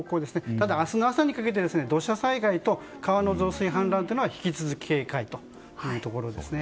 ただ明日の朝にかけて土砂災害と川の増水・氾濫に引き続き警戒というところです。